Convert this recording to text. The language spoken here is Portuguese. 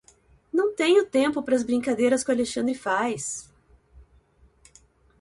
Não tenho tempo para as brincadeiras que o Alexandre faz.